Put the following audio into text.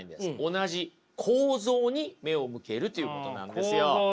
同じ構造に目を向けるということなんですよ。